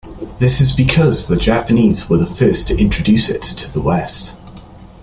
This is because the Japanese were the first to introduce it to the West.